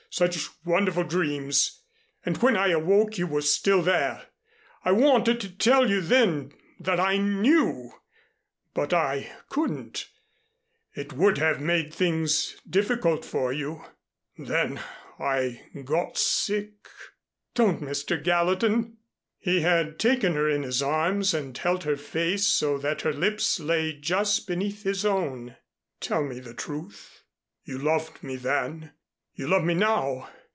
Such wonderful dreams! And when I awoke you were still there. I wanted to tell you then that I knew but I couldn't. It would have made things difficult for you. Then I got sick " "Don't, Mr. Gallatin!" He had taken her in his arms and held her face so that her lips lay just beneath his own. "Tell me the truth. You loved me then. You love me now?